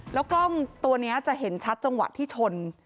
แล้วกล้องตัวนี้จะเห็นชัดจังหวะที่ชน